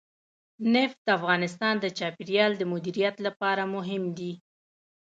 نفت د افغانستان د چاپیریال د مدیریت لپاره مهم دي.